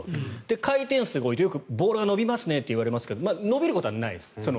回転数が多いとボールが伸びますねと言われますが伸びることはないです。